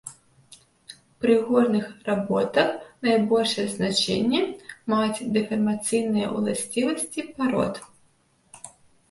Пры горных работах найбольшае значэнне маюць дэфармацыйныя ўласцівасці парод.